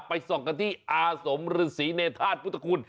ไปส่องกันที่อาสมฤษีเนธาตุพุทธคุณ